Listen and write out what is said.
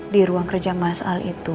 di ruang kerja mas al itu